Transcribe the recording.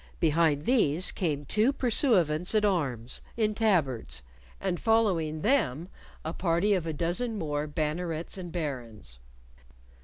Behind these came two pursuivants at arms in tabards, and following them a party of a dozen more bannerets and barons.